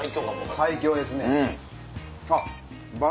最強ですね。